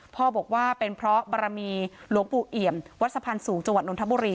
พ่อบอกว่าเป็นเพราะบารมีหลวงปู่เอี่ยมวัดสะพานสูงจังหวัดนทบุรี